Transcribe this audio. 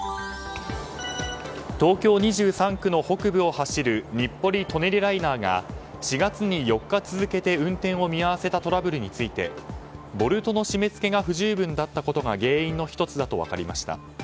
東京２３区の北部を走る日暮里・舎人ライナーが４月に、４日続けて運転を見合わせたトラブルについてボルトの締め付けが不十分だったことが原因の１つだと分かりました。